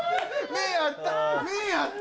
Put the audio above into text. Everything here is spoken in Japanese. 目合った！